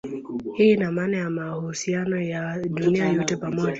Hii ina maana ya mahusiano ya dunia yote pamoja.